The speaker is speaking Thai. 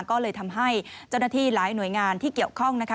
ก็เลยทำให้เจ้าหน้าที่หลายหน่วยงานที่เกี่ยวข้องนะคะ